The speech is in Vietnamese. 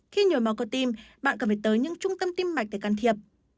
khi nhồi máu cơ tim bạn cần phải tới những trung tâm tim mạch để can thiệp